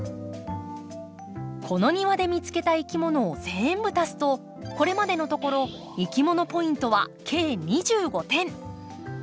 この庭で見つけたいきものを全部足すとこれまでのところいきものポイントは計２５点！